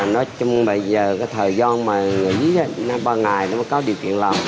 nói chung bây giờ thời gian mà nghỉ ba ngày nó có điều kiện lọc